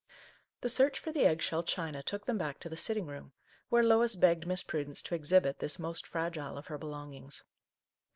" The search for the egg shell china took them back to the sitting room, where Lois begged Miss Prudence to exhibit this most fragile of her belongings.